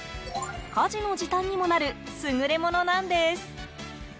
家事の時短にもなる優れものなんです。